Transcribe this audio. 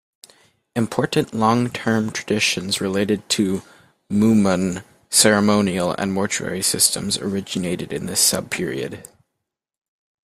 Important long-term traditions related to Mumun ceremonial and mortuary systems originated in this sub-period.